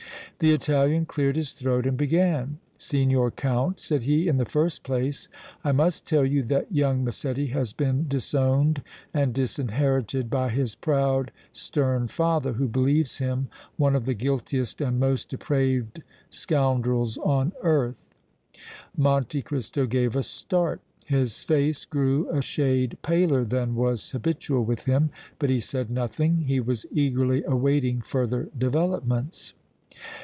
The Italian cleared his throat and began. "Signor Count," said he, "in the first place I must tell you that young Massetti has been disowned and disinherited by his proud, stern father, who believes him one of the guiltiest and most depraved scoundrels on earth!" Monte Cristo gave a start; his face grew a shade paler than was habitual with him, but he said nothing; he was eagerly awaiting further developments.